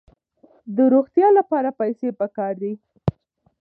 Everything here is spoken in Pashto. د روغتیا لپاره پیسې پکار دي.